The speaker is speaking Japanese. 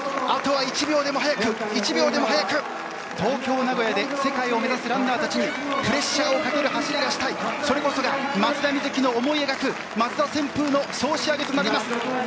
あとは１秒でも早く１秒でも早く東京、名古屋で世界を目指すランナーたちにプレッシャーをかける走りがしたいそれこそが松田瑞生の思い描く松田旋風の総仕上げとなります。